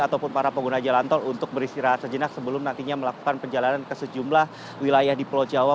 ataupun para pengguna jalan tol untuk beristirahat sejenak sebelum nantinya melakukan perjalanan ke sejumlah wilayah di pulau jawa